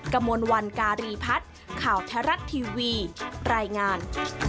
กระมวลวันการีพัฒน์ข่าวไทยรัฐทีวีรายงาน